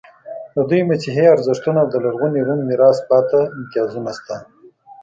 د دوی مسیحي ارزښتونه او د لرغوني روم میراث پاتې امتیازونه شته.